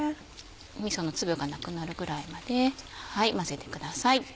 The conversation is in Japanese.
みその粒がなくなるぐらいまで混ぜてください。